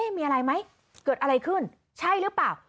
มีอะไรไหมเกิดอะไรขึ้นใช่หรือเปล่า